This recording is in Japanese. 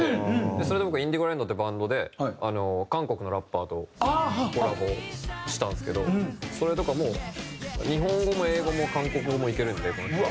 それで僕ｉｎｄｉｇｏｌａＥｎｄっていうバンドで韓国のラッパーとコラボしたんですけどそれとかも日本語も英語も韓国語もいけるんで。